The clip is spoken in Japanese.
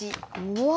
うわ！